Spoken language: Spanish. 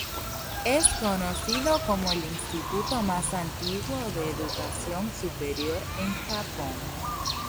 Es conocido como el instituto más antiguo de educación superior en Japón.